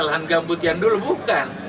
lahan gambut yang dulu bukan